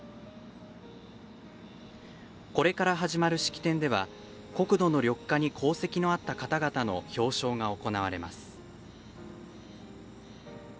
これから始まる式典では国土の緑化に功績のあった方々の表彰が行われます。